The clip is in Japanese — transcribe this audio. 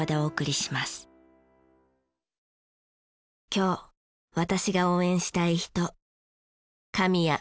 今日私が応援したい人。